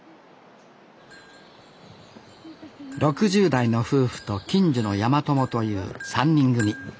６０代の夫婦と近所の山友という３人組。